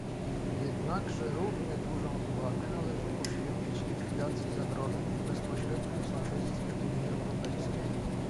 Jednakże równie dużą uwagę należy poświęcić likwidacji zagrożeń w bezpośrednim sąsiedztwie Unii Europejskiej